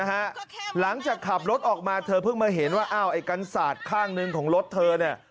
หลังจากขับรถออกมาเธอเพิ่งมาเห็นว่าอ้าวไอ้กันศาสตร์ข้างหนึ่งของรถเธอเนี่ย